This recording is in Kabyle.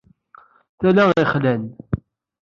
Tala Ixlan.